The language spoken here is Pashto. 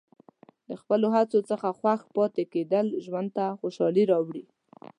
د خپلو هڅو څخه خوښ پاتې کېدل ژوند ته خوشحالي راوړي.